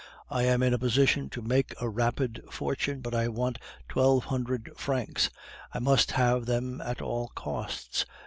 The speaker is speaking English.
I am in a position to make a rapid fortune, but I want twelve hundred francs I must have them at all costs.